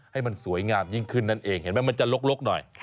ให้มันสวยงามยิ่งขึ้นนั่นเองเห็นไหมมันจะลกหน่อย